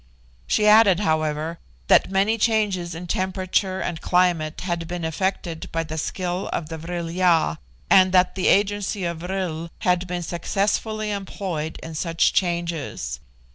She added, however, that many changes in temperature and climate had been effected by the skill of the Vril ya, and that the agency of vril had been successfully employed in such changes.